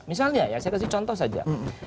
misalnya ya saya kasih contoh saja